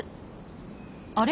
あれ？